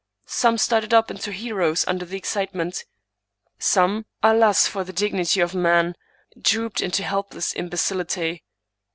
Some started up into heroes under the excitement. Some, alas for the dignity of man ! drooped into helpless imbecility.